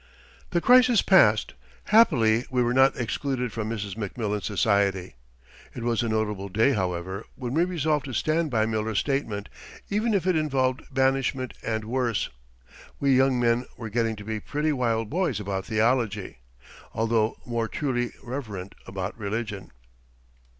The crisis passed. Happily we were not excluded from Mrs. McMillan's society. It was a notable day, however, when we resolved to stand by Miller's statement, even if it involved banishment and worse. We young men were getting to be pretty wild boys about theology, although more truly reverent about religion.